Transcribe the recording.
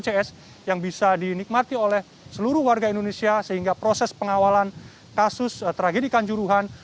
cs yang bisa dinikmati oleh seluruh warga indonesia sehingga proses pengawalan kasus tragedikan juruhan